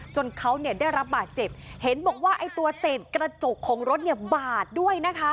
จนเขาเนี่ยได้รับบาดเจ็บเห็นบอกว่าไอ้ตัวเศษกระจกของรถเนี่ยบาดด้วยนะคะ